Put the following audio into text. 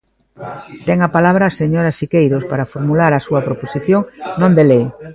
Ten a palabra a señora Siqueiros para formular a súa proposición non de lei.